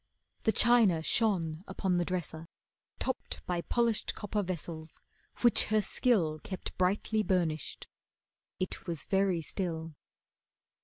The china shone upon the dresser, topped By polished copper vessels which her skill Kept brightly burnished. It was very still.